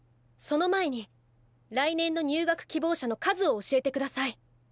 その前に来年の入学希望者の数を教えて下さい。